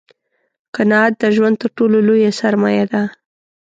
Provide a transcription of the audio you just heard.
قناعت دژوند تر ټولو لویه سرمایه ده